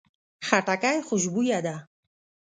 خټکی خوشبویه ده.